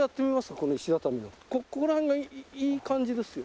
この石畳でここら辺がいい感じですよ。